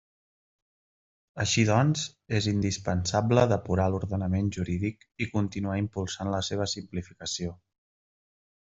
Així doncs, és indispensable depurar l'ordenament jurídic i continuar impulsant la seva simplificació.